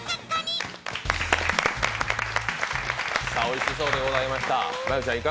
おいしそうでございました。